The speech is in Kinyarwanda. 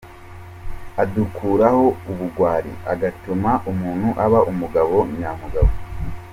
Adukuraho ubugwari, agatuma umuntu aba umugabo nya mugabo.